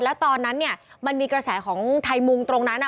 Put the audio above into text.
แล้วตอนนั้นเนี่ยมันมีกระแสของไทยมุงตรงนั้น